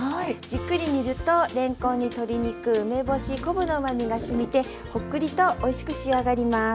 じっくり煮るとれんこんに鶏肉梅干し昆布のうまみがしみてホックリとおいしく仕上がります。